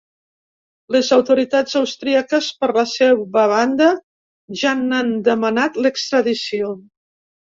Les autoritats austríaques, per la seva banda, ja n’han demanat l’extradició.